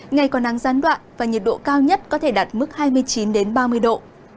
ngày còn nắng gián đoạn và nhiệt độ cao nhất có thể đạt mức hai mươi chín ba mươi độ